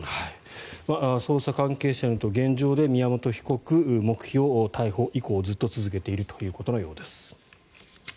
捜査関係者によると現状、宮本被告は黙秘を逮捕以降ずっと続けているということのようです。